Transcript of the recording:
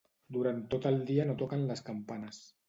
Durant tot el dia no toquen les campanes.